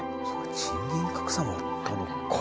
賃金格差もあったのか。